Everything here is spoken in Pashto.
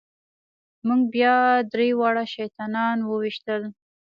موږ بیا درې واړه شیطانان وويشتل.